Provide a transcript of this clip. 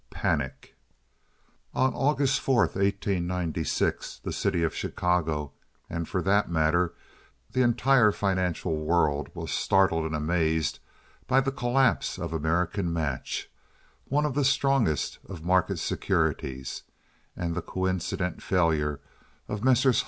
Panic On August 4, 1896, the city of Chicago, and for that matter the entire financial world, was startled and amazed by the collapse of American Match, one of the strongest of market securities, and the coincident failure of Messrs.